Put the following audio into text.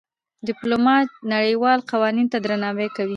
ډيپلومات نړېوالو قوانينو ته درناوی کوي.